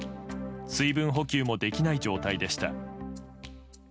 水分補給もできない状態でした。